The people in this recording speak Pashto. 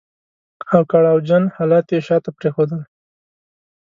او کړاو جن حالات يې شاته پرېښودل.